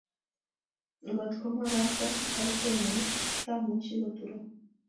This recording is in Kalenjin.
Ngot komoba toretet ngung, katamuchi koturo